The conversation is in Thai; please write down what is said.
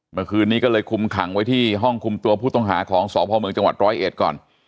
เมื่อคืนนี้ก็เลยคุมขังไว้ที่ห้องคุมตัวผู้ต้องหาของสพเมืองจังหวัดร้อยเอ็ดก่อน